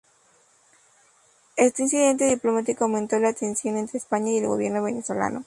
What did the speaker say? Este incidente diplomático aumentó la tensión entre España y el gobierno venezolano.